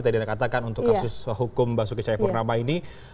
tadi anda katakan untuk kasus hukum mbak sukisaya purnama ini